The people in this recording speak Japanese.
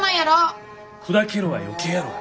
砕けろは余計やろが。